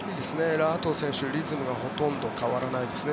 ラ・アトウ選手リズムがほとんど変わらないですね。